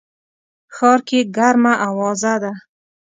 ښار کي ګرمه اوازه ده